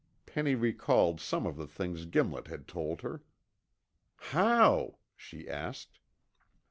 Penny recalled some of the things Gimlet had told her. "How?" she asked.